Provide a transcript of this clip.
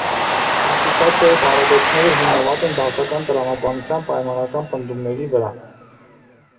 Իմպլիկացիայի պարադոքսները հիմնված են դասական տրամաբանության պայմանական պնդումների վրա։